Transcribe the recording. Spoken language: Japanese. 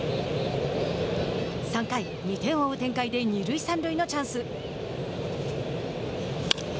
３回、２点を追う展開で二塁三塁のチャンス。